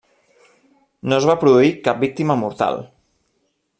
No es va produir cap víctima mortal.